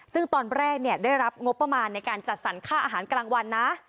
ซึ่งตอนแรกได้รับงบประมาณในการจัดสรรค่าอาหารกลางวันนะ